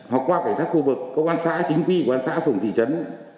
học qua cảnh sát khu vực công an xã chính quy công an xã phường thị trấn